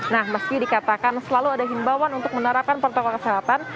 nah meski dikatakan selalu ada himbawan untuk menerapkan protokol kesehatan